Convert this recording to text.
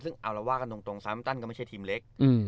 ซึ่งเอาแล้วว่ากันตรงตรงซ้ายมันตั้นก็ไม่ใช่ทีมเล็กอืม